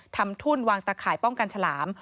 ทุ่นวางตะข่ายป้องกันฉลาม